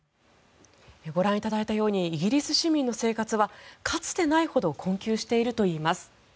ご覧いただいたようにイギリス市民の生活はかつてないほど困窮しているといいます。